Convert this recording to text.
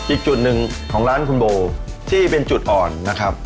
อีกจุดหนึ่งของร้านคุณโบที่เป็นจุดอ่อนนะครับ